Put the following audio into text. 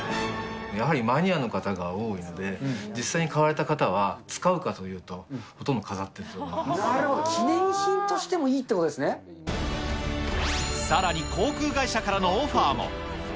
やはりマニアの方が多いので、実際に買われた方は、使うかというと、ほとんど飾ってると思いまなるほど、記念品としてもいさらに航空会社からのオファーも。